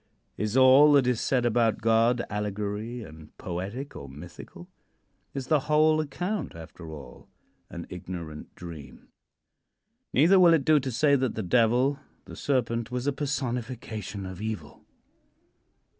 Is all that is said about God allegory, and poetic, or mythical? Is the whole account, after all, an ignorant dream? Neither will it do to say that the Devil the Serpent was a personification of evil.